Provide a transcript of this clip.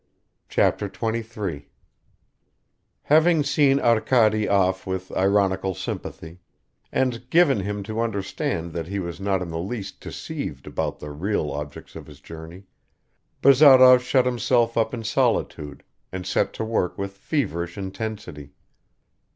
Chapter 23 HAVING SEEN ARKADY OFF WITH IRONICAL SYMPATHY, AND GIVEN him to understand that he was not in the least deceived about the real object of his journey, Bazarov shut himself up in solitude, and set to work with feverish intensity.